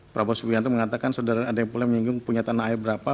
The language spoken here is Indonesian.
prabowo subianto mengatakan saudara adik pulang menyinggung punya tanah air berapa